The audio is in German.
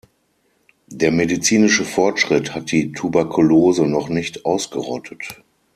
Der medizinische Fortschritt hat die Tuberkulose noch nicht ausgerottet.